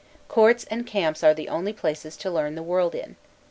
Courts and camps are the only places to learn the world in.